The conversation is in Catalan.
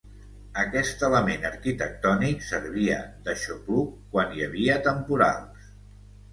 Aquest element arquitectònic servia d'aixopluc quan hi havia temporals.